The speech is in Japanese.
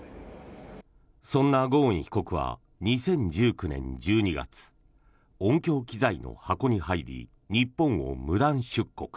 そんなゴーン被告は２０１９年１２月音響機材の箱に入り日本を無断出国。